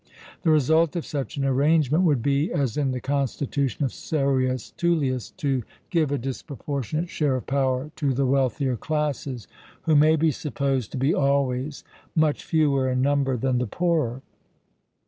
The result of such an arrangement would be, as in the constitution of Servius Tullius, to give a disproportionate share of power to the wealthier classes, who may be supposed to be always much fewer in number than the poorer.